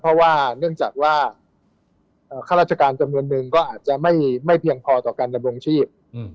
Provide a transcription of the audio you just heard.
เพราะว่าเนื่องจากว่าข้าราชการจำนวนนึงก็อาจจะไม่เพียงพอต่อการดำรงชีพ